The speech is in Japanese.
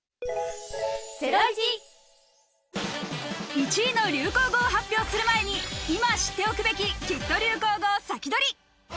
１位の流行語を発表する前に今知っておくべき、きっと流行語を先取り。